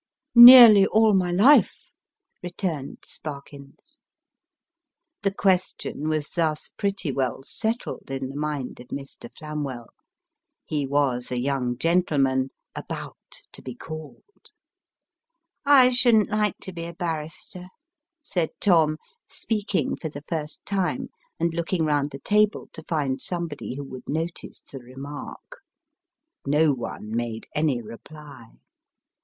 " Nearly all my life," returned Sparkins. The question was thus pretty well settled in the mind of Mr. Flam well. He was a young gentleman " about to bo called." " I shouldn't like to be a barrister," said Tom, speaking for the first " The Point" gained. 277 time, and looking round the table to find somebody who would notice the remark. No one made any reply.